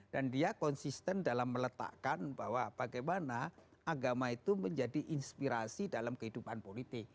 dan dia konsisten dalam meletakkan bahwa bagaimana agama itu menjadi inspirasi dalam kehidupan politik